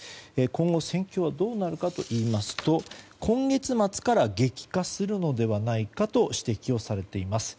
今後、戦況はどうなるかといいますと今月末から激化するのではないかと指摘をされています。